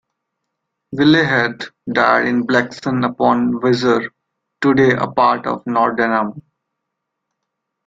Willehad died in Blexen upon Weser, today a part of Nordenham.